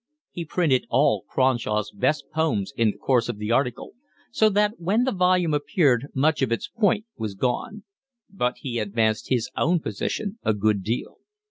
He printed all Cronshaw's best poems in the course of the article, so that when the volume appeared much of its point was gone; but he advanced his own position a good deal.